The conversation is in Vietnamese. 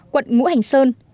quận ngũ hành sơn tp đn